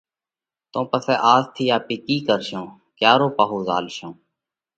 تو پسئہ آز ٿِي آپي ڪِي ڪرشون؟ ڪيا رو پاهو زهالشون